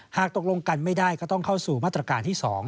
ตกลงกันไม่ได้ก็ต้องเข้าสู่มาตรการที่๒